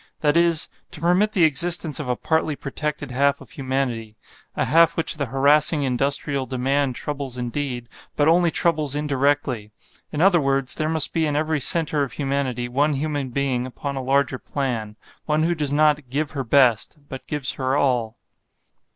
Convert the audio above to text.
That is, to permit the existence of a partly protected half of humanity; a half which the harassing industrial demand troubles indeed, but only troubles indirectly. In other words, there must be in every center of humanity one human being upon a larger plan; one who does not "give her best," but gives her all.